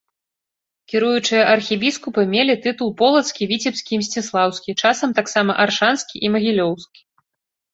Кіруючыя архібіскупы мелі тытул полацкі, віцебскі і мсціслаўскі, часам таксама аршанскі і магілёўскі.